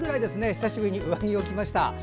久しぶりに上着を着ました。